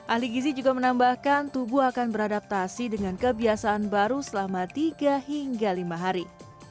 ahli gizi juga menambahkan tubuh akan beradaptasi dengan kebiasaan baru selama tiga hingga lima hari